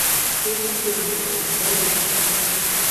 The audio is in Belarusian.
Не хачу гаварыць, даруйце.